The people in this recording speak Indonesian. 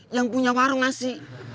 yang punya warung nasi